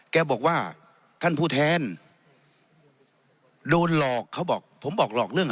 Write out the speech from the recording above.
แกบอกว่าท่านผู้แทนโดนหลอกเขาบอกผมบอกหลอกเรื่อง